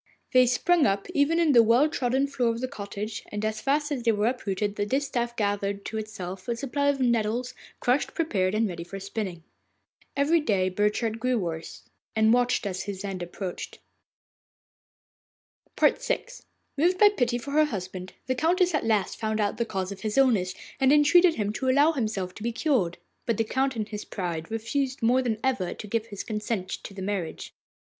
They sprung up even in the well trodden floor of the cottage, and as fast as they were uprooted the distaff gathered to itself a supply of nettles, crushed, prepared, and ready for spinning. And every day Burchard grew worse, and watched his end approaching. VI Moved by pity for her husband, the Countess at last found out the cause of his illness, and entreated him to allow himself to be cured. But the Count in his pride refused more than ever to give his consent to the marriage.